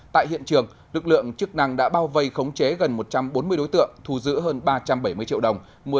tại hiện trường lực lượng chức năng đã bao vây khống chế gần một trăm bốn mươi đối tượng thu giữ hơn ba trăm bảy mươi triệu đồng